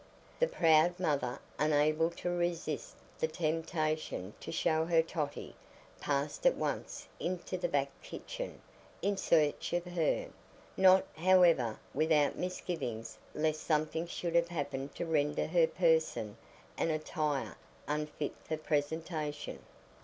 The proud mother, unable to resist the temptation to show her Totty, passed at once into the back kitchen, in search of her, not, however, without misgivings lest something should have happened to render her person and attire unfit for presentation.